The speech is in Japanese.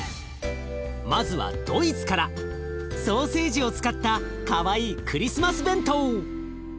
まずはドイツからソーセージを使ったかわいいクリスマス弁当！